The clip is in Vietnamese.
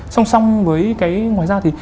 song song với cái ngoài ra thì